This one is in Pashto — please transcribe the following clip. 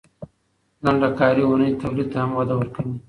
لنډه کاري اونۍ تولید ته هم وده ورکوي.